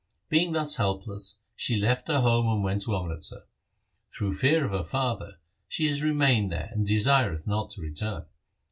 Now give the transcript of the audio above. Being thus helpless, she left her home and went to Amritsar. Through fear of her father, she has remained there and desireth not to return.